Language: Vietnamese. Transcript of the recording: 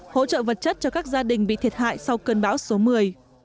hỗ trợ vật chất cho các gia đình bị thiệt hại sau cơn bão số một mươi